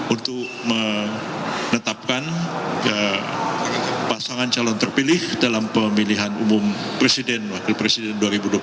untuk menetapkan pasangan calon terpilih dalam pemilihan umum presiden wakil presiden dua ribu dua puluh empat